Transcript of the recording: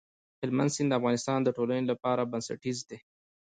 هلمند سیند د افغانستان د ټولنې لپاره بنسټيز دی.